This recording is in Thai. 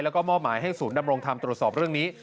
แล้วก็มอบหมายให้ศูนย์ดำรงธรรมตรวจสอบเรื่องนี้